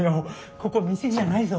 ここ店じゃないぞ。